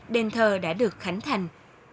đền thờ đã được khánh thành